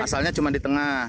asalnya cuma di tengah